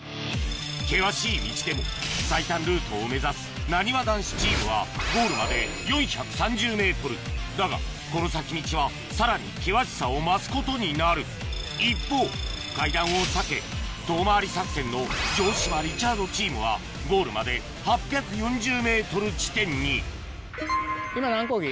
険しい道でも最短ルートを目指すなにわ男子チームはゴールまで４３０ｍだがこの先道はさらに険しさを増すことになる一方階段を避け遠回り作戦の城島・リチャードチームはゴールまで８４０ｍ地点に今何コギ？